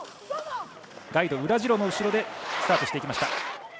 ガイド、ウラ・ジロの後ろでスタートしていきました。